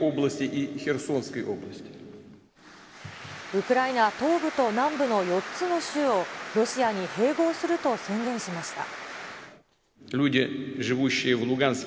ウクライナ東部と南部の４つの州を、ロシアに併合すると宣言しました。